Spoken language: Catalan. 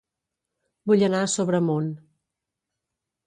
Vull anar a Sobremunt